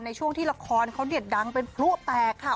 ในช่วงที่ละครเขาเนี่ยดังเป็นพลุแตกค่ะ